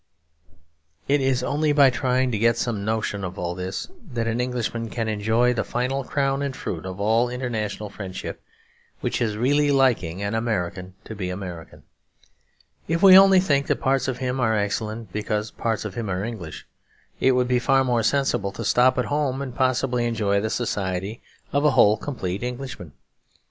It is only by trying to get some notion of all this that an Englishman can enjoy the final crown and fruit of all international friendship; which is really liking an American to be American. If we only think that parts of him are excellent because parts of him are English, it would be far more sensible to stop at home and possibly enjoy the society of a whole complete Englishman.